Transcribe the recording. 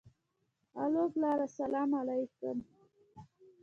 الو پلاره سلام عليک.